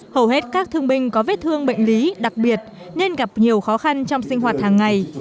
hầu hết các thương binh có vết thương bệnh lý đặc biệt nên gặp nhiều khó khăn trong sinh hoạt hàng ngày